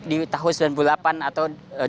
di tahun sembilan puluh delapan atau dua ribu